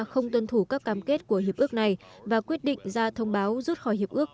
không tuân thủ các cam kết của hiệp ước này và quyết định ra thông báo rút khỏi hiệp ước